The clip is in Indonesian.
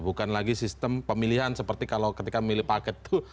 bukan lagi sistem pemilihan seperti kalau ketika memilih paket itu